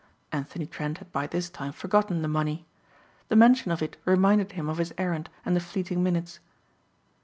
Anthony Trent had by this time forgotten the money. The mention of it reminded him of his errand and the fleeting minutes.